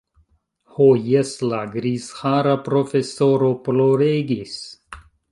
Ho jes, la grizhara profesoro ploregis.